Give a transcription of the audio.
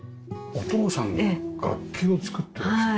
お父さんが楽器を作っていらした。